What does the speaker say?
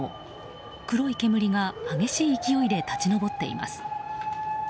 黒い煙が激しい勢いで立ち上っています。